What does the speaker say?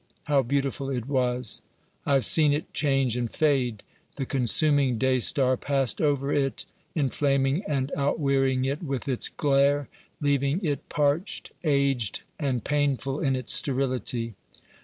How beautiful it was ! I have seen it change and fade; the consuming day star passed over it, inflaming and outwearying it with its glare, leaving it parched, aged and painful in its sterility.